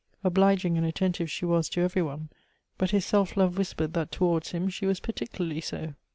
Obliging and attentive she was to every one, but his self love whispered that towards him she was particularly so.